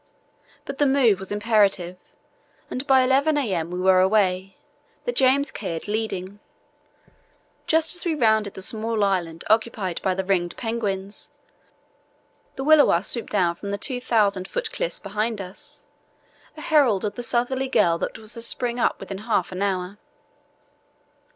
But the move was imperative, and by 11 a.m. we were away, the James Caird leading. Just as we rounded the small island occupied by the ringed penguins the "willywaw" swooped down from the 2000 ft. cliffs behind us, a herald of the southerly gale that was to spring up within half an hour.